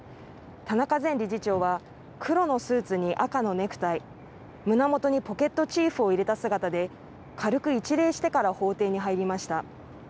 田中前理事長は黒のスーツに赤のネクタイ、胸元にポケットチーフを入れた姿で軽く一礼してから法廷に入りました。